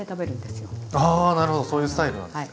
あなるほどそういうスタイルなんですね。